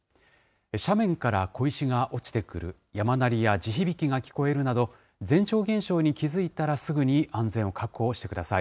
斜面から小石が落ちてくる、山鳴りや地響きが聞こえるなど、前兆現象に気付いたら、すぐに安全を確保してください。